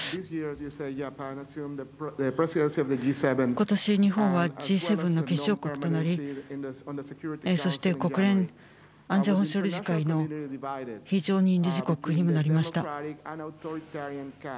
ことし日本はＧ７の議長国となりそして国連安全保障理事会の非常任理事国にもなりました。